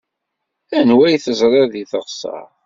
Anwa ay teẓriḍ deg teɣsert?